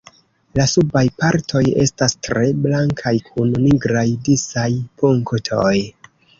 La subaj partoj estas tre blankaj kun nigraj disaj punktoj.